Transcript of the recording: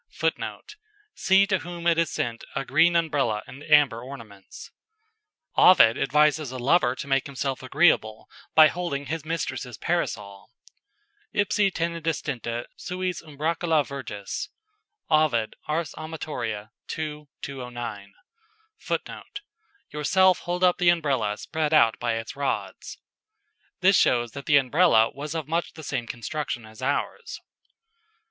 [Footnote: "See to whom it is sent a green umbrella and amber ornaments"] Ovid advises a lover to make himself agreeable by holding his mistress's Parasol: "Ipse tene distenta suis umbracula virgis" Ov. Ars. Am., ii., 209. [Footnote: "Yourself hold up the umbrella spread out by its rods"] This shows that the Umbrella was of much the same construction as ours.